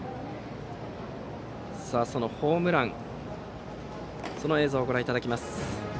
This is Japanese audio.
そのホームランの映像をご覧いただきます。